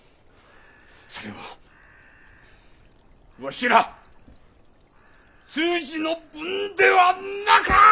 それはわしら通詞の分ではなか！